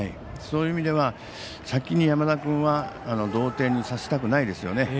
そういう意味では先に山田君は同点にさせたくないですよね。